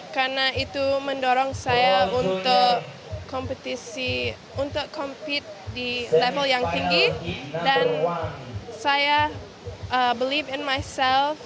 karena itu mendorong saya untuk kompetisi untuk compete di level yang tinggi dan saya believe in myself